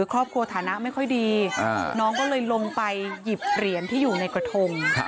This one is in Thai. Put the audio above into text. ฐานะไม่ค่อยดีน้องก็เลยลงไปหยิบเหรียญที่อยู่ในกระทง